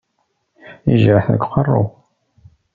Yejreḥ deg uqerru.